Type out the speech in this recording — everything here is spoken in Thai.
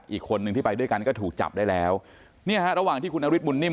อีกคนนึงที่ไปด้วยกันก็ถูกจับได้แล้วเนี่ยฮะระหว่างที่คุณนฤทธบุญนิ่